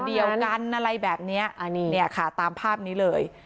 เดียวกันอะไรแบบนี้ค่ะตามภาพนี้เลย